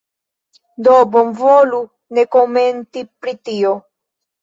do bonvolu ne komenti pri tio.